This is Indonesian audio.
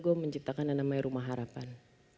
gue menciptakan yang namanya rumah harapan